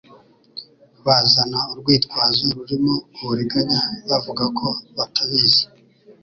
Bazana urwitwazo rurimo uburiganya bavuga ko batabizi,